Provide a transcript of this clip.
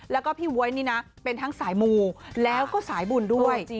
แล้วก็พี่บ๊วยนี่นะเป็นทั้งสายมูแล้วก็สายบุญด้วย